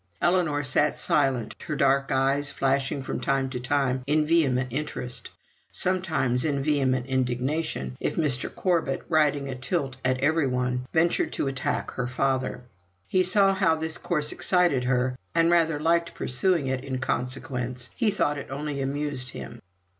Ellinor sat silent; her dark eyes flashing from time to time in vehement interest sometimes in vehement indignation if Mr. Corbet, riding a tilt at everyone, ventured to attack her father. He saw how this course excited her, and rather liked pursuing it in consequence; he thought it only amused him.